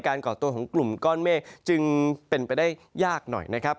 ก่อตัวของกลุ่มก้อนเมฆจึงเป็นไปได้ยากหน่อยนะครับ